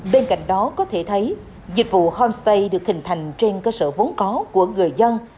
bên cạnh đó có thể thấy dịch vụ homestay được hình thành trên cơ sở vốn có của người dân